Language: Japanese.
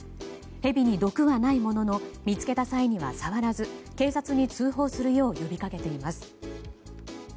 ヘビに毒はないものの見つけた際には触らず警察に通報するよう呼びかけています。